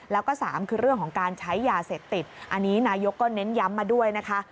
แล้วก็สามคือเรื่องของการใช้ยาเสพติดอันนี้นายกก็เน้นย้ำมาด้วยนะคะ